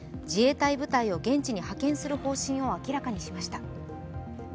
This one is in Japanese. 自衛隊部隊を現地に派遣する方針を明らかにしました。